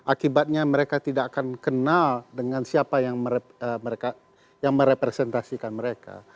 akibatnya mereka tidak akan kenal dengan siapa yang merepresentasikan mereka